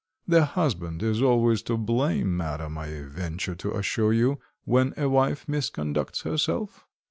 "The husband is always to blame, madam, I venture to assure you, when a wife misconducts herself."